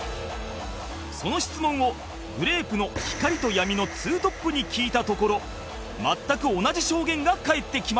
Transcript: その質問をグレープの光と闇のツートップに聞いたところ全く同じ証言が返ってきました